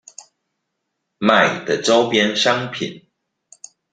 賣的週邊商品